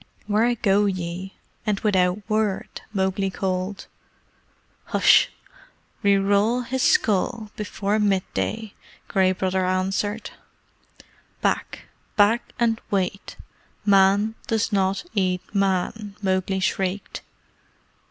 "Where go ye, and without word?" Mowgli called. "H'sh! We roll his skull here before mid day!" Gray Brother answered. "Back! Back and wait! Man does not eat Man!" Mowgli shrieked.